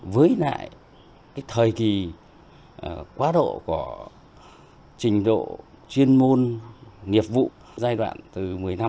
với lại thời kỳ quá độ của trình độ chuyên môn nghiệp vụ giai đoạn từ một mươi năm hai mươi